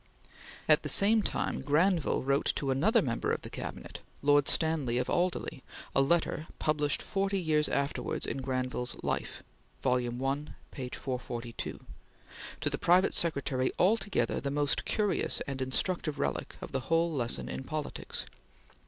At the same time Granville wrote to another member of the Cabinet, Lord Stanley of Alderley, a letter published forty years afterwards in Granville's "Life" (I, 442) to the private secretary altogether the most curious and instructive relic of the whole lesson in politics